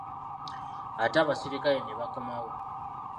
Ate abasirikale ne bakomawo.